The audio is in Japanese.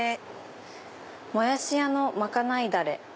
「もやし屋のまかないダレ」。